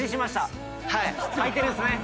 はいてるんすね。